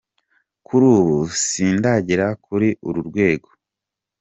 "Kuri ubu sindagera kuri uru rwego.